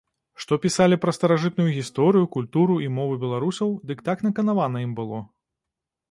Што пісалі пра старажытную гісторыю, культуру і мову беларусаў, дык так наканавана ім было.